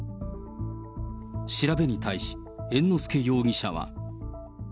調べに対し、猿之助容疑者は。